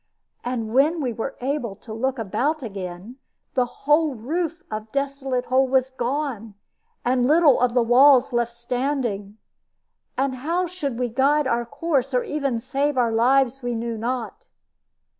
And when we were able to look about again the whole roof of "Desolate Hole" was gone, and little of the walls left standing. And how we should guide our course, or even save our lives, we knew not.